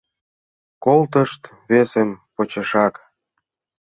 Колтышт весым почешак.